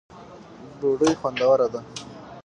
ډوډۍ خوندوره ده.